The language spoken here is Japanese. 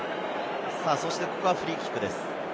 ここはフリーキックです。